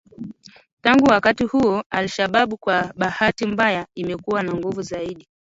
Tangu wakati huo al-Shabab kwa bahati mbaya imekuwa na nguvu zaidi